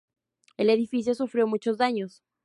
El edificio sufrió muchos daños.